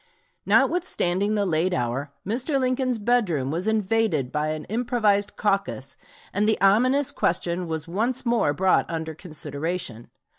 Notwithstanding the late hour, Mr. Lincoln's bedroom was invaded by an improvised caucus, and the ominous question was once more brought under consideration.